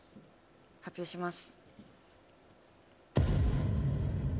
発表します。